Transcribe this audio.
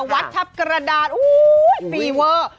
วัดทัพกระดานฟีเวอร์